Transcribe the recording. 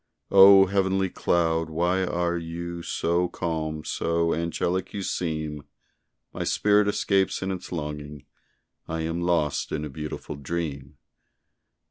O! heavenly cloud! why are you So calm? so angelic you seem, My spirit escapes in its longing I am lost in a beautiful dream.